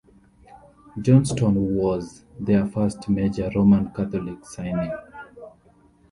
Johnston was "their first major Roman Catholic signing".